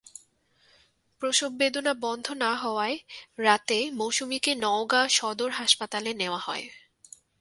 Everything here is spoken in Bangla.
প্রসববেদনা বন্ধ না হওয়ায় রাতে মৌসুমিকে নওগাঁ সদর হাসপাতালে নেওয়া হয়।